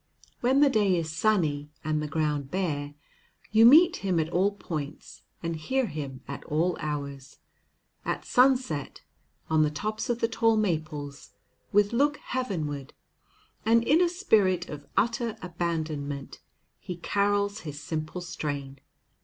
When the day is sunny and the ground bare, you meet him at all points and hear him at all hours. At sunset, on the tops of the tall maples, with look heavenward, and in a spirit of utter abandonment, he carols his simple strain.